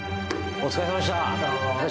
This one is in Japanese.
お疲れさまです。